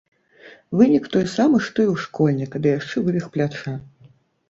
Вынік той самы што і ў школьніка, ды яшчэ вывіх пляча.